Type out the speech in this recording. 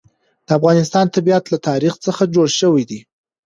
د افغانستان طبیعت له تاریخ څخه جوړ شوی دی.